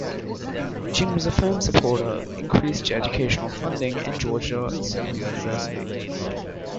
Ginn was a firm supporter of increased educational funding and Georgia Southern University.